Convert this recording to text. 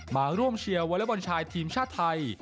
มาร่วมเชียร์วอเล็กบอลชายทีมชาติไทย